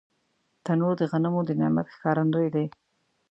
تنور د غنمو د نعمت ښکارندوی دی